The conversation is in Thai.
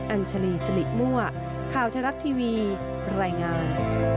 อัญชลีสิริมั่วข่าวไทยรัฐทีวีรายงาน